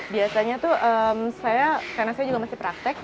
biasanya tuh saya karena saya juga masih praktek